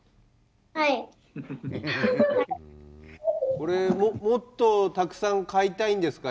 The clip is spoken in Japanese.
これもっとたくさん飼いたいんですか？